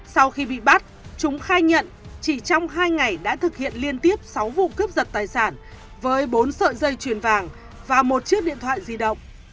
sau khi bị bắt chúng khai nhận chỉ trong hai ngày đã thực hiện liên tiếp sáu vụ cướp giật tài sản với bốn sợi dây chuyền vàng và một chiếc điện thoại di động